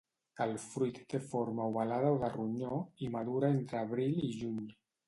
El fruit té forma ovalada o de ronyó i madura entre abril i juny.